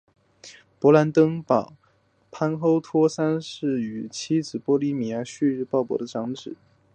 勃兰登堡藩侯奥托三世与妻子波希米亚的鲍日娜的长子。